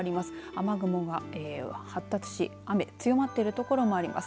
雨雲が発達し、雨強まっている所もあります。